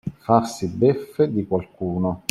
Farsi beffe di qualcuno.